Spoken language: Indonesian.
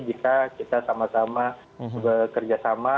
jika kita sama sama bekerja sama